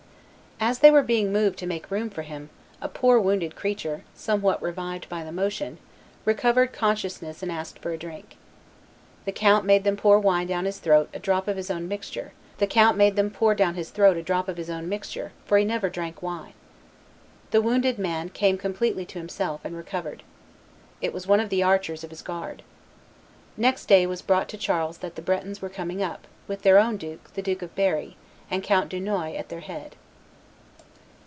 As they were being moved to make room for him, a poor wounded creature, somewhat revived by the motion, recovered consciousness and asked for a drink. The count made them pour down his throat a drop of his own mixture, for he never drank wine. The wounded man came completely to himself, and recovered. It was one of the archers of his guard. Next day news was brought to Charles that the Bretons were coming up, with their own duke, the Duke of Berry, and Count Dunois at their head.